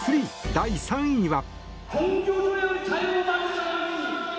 第３位は。